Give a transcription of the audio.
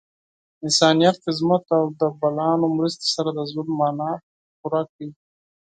د انسانیت خدمت او د بلانو مرستې سره د ژوند معنا پوره کړئ.